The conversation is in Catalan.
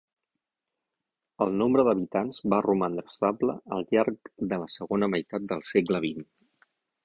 El nombre d'habitants va romandre estable al llarg de la segona meitat del segle XX.